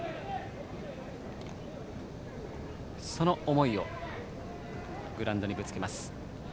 その思いをグラウンドにぶつけます。